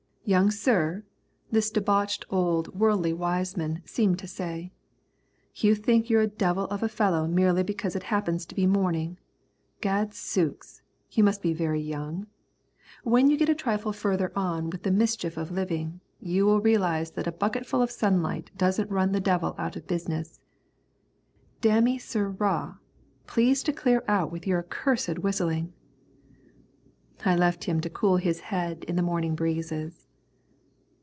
"Young sir," this debauched old Worldly Wiseman seemed to say, "you think you're a devil of a fellow merely because it happens to be morning. Gad sooks! You must be very young. When you get a trifle further on with the mischief of living, you will realise that a bucketful of sunlight doesn't run the devil out of business. Damme, sirrah! Please to clear out with your accursed whistling." I left him to cool his head in the morning breezes.